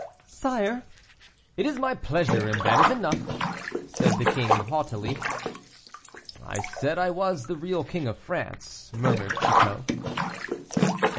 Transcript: "Sire " "It is my pleasure, and that is enough," said the king, haughtily. "I said I was the real King of France," murmured Chicot. CHAPTER XLVI.